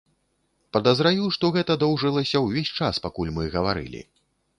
Падазраю, што гэта доўжылася ўвесь час, пакуль мы гаварылі.